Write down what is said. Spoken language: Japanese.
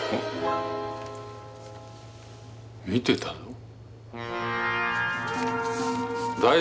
「見てたぞ」。